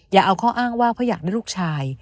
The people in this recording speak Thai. อย่าเอาข้ออ้างว่าเพราะอยากได้ลูกชาย